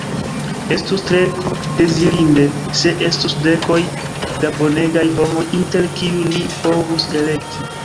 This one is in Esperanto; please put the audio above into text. Estus tre dezirinde se estus dekoj da bonegaj homoj inter kiuj ni povus elekti.